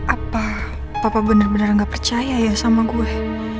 apa papa bener bener gak percaya ya sama gue